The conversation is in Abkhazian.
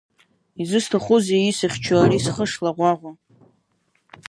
Изысҭахузеи исыхьчо ари схы шлаӷәаӷәа…